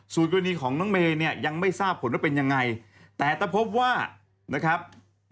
สูตรวินีของน้องเมย์ไม่ทราบผลว่าเป็นอย่างไร